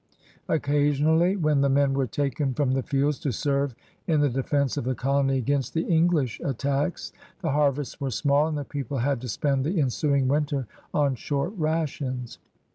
" Occasion ally, when the men were taken from the fields to serve in the defense of the colony against the English attacks, the harvests were small and the people had to spend the ensuing winter on short rations.